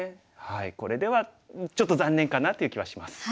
これではちょっと残念かなという気はします。